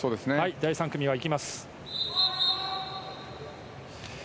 第３組、いきます。